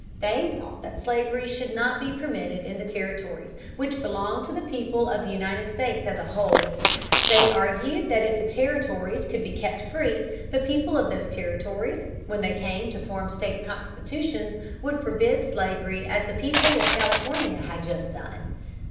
They thought that slavery should not be permitted in the territories, which belonged to the people of the United States as a whole. They argued that if the territories could be kept free, the people of those territories, when they came to form state constitutions, would forbid slavery as the people of California had just done.